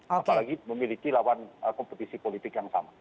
apalagi memiliki lawan kompetisi politik yang sama